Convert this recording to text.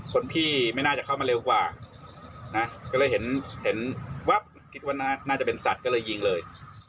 คนพี่ไม่น่าจะเข้ามาเร็วกว่านะก็เลยเห็นเห็นวับคิดว่าน่าจะเป็นสัตว์ก็เลยยิงเลย